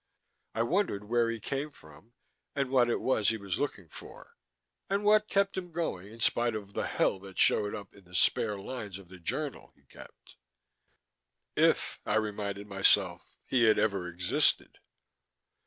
I wondered where he came from, and what it was he was looking for, and what kept him going in spite of the hell that showed in the spare lines of the journal he kept. If, I reminded myself, he had ever existed....